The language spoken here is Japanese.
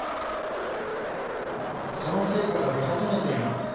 その成果が出始めています。